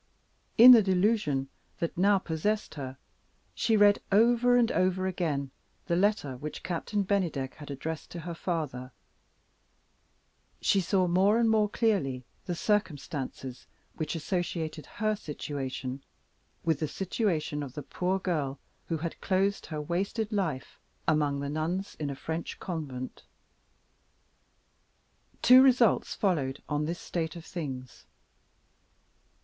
In the delusion that now possessed her she read, over and over again, the letter which Captain Bennydeck had addressed to her father; she saw, more and more clearly, the circumstances which associated her situation with the situation of the poor girl who had closed her wasted life among the nuns in a French convent. Two results followed on this state of things.